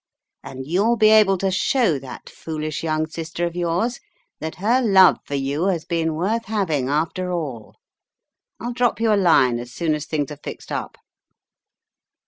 And you'll be able to show that foolish young sister of yours that her love for you has been worth having, after all. I'll drop you a line as soon as things are fixed up.